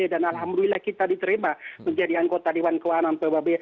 dan alhamdulillah kita diterima menjadi anggota dewan keamanan pbb